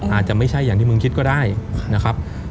อาจจะไม่ใช่อย่างที่มึงคิดก็ได้นะครับ